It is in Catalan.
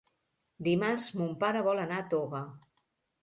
Dimarts mon pare vol anar a Toga.